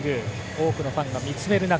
多くのファンが見つめる中